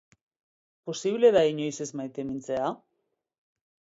Posible da inoiz ez maitemintzea?